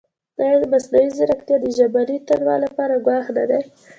ایا مصنوعي ځیرکتیا د ژبني تنوع لپاره ګواښ نه دی؟